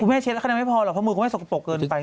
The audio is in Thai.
แม่เช็ดแล้วคะแนนไม่พอหรอกเพราะมือก็ไม่สกปรกเกินไป